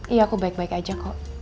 iya aku baik baik aja kok